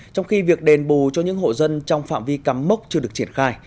trong khi việc đền bù cho những hộ dân trong phạm vi cắm mốc chưa được triển khai